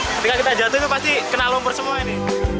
ketika kita jatuh itu pasti kena lumpur semua ini